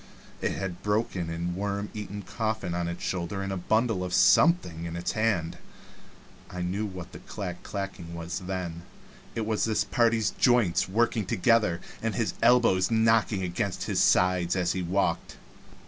It had a broken and worm eaten coffin on its shoulder and a bundle of something in its hand. I knew what the clack clacking was then; it was this party's joints working together, and his elbows knocking against his sides as he walked.